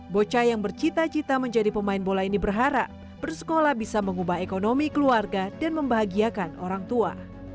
bocah yang bercita cita menjadi pemain bola ini berharap bersekolah bisa mengubah ekonomi keluarga dan membahagiakan orang tua